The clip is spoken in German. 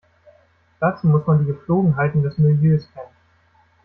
Dazu muss man die Gepflogenheiten des Milieus kennen.